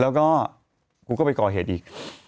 แล้วก็กูก็ไปก่อเหตุอีก